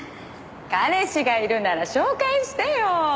彼氏がいるなら紹介してよ。